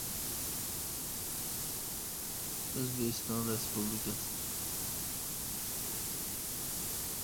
Iroqda motam e’lon qilindi